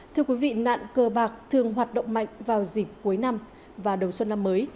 thưa quý vị nạn cờ bạc thường hoạt động mạnh vào dịp cuối năm và đầu xuân năm mới